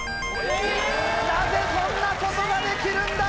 なぜそんなことができるんだ